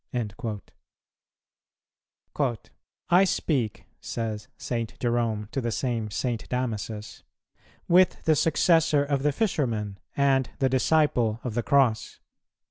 "[159:3] "I speak," says St. Jerome to the same St. Damasus, "with the successor of the fisherman and the disciple of the Cross.